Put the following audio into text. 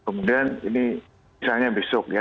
kemudian ini misalnya besok ya